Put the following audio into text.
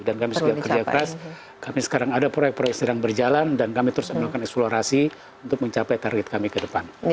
dan kami juga kerja keras kami sekarang ada proyek proyek sedang berjalan dan kami terus melakukan eksplorasi untuk mencapai target kami ke depan